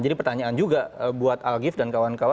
jadi pertanyaan juga buat alkif dan kawan kawan